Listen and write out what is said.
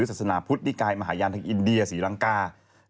ศาสนาพุทธนิกายมหาญาณทางอินเดียศรีลังกา